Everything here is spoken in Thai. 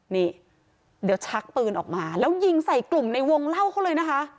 นี่เดี๋ยวชักปืนออกมาแล้วยิงใส่กลุ่มในวงเล่าเขาเลยนะคะ